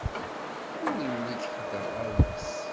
Ur imlik ḥedd ṛṛay-is.